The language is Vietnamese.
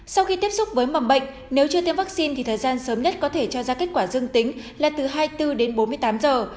sau khi tiếp xúc với mầm bệnh nếu chưa tiêm vaccine thì thời gian sớm nhất có thể cho ra kết quả dương tính là từ hai mươi bốn đến bốn mươi tám giờ